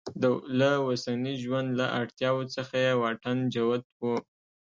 له اوسني ژوند له اړتیاوو څخه یې واټن جوت و.